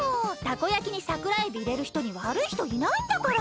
たこ焼きにサクラエビいれるひとにわるいひといないんだから。